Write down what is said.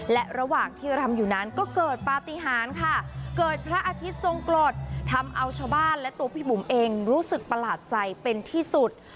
และระหว่างที่รำอยู่นั้นก็เกิดปฏิหารค่ะเกิดพระอาทิตย์ทรงกรดทำเอาชาวบ้านและตัวพี่บุ๋มเองรู้สึกประหลาดใจเป็นที่สุด